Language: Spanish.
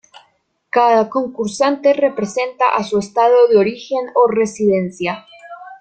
Cada concursante representa a su Estado de origen o residencia.